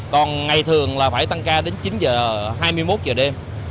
còn ngày thường là phải tăng ca đến chín h hai mươi một h đêm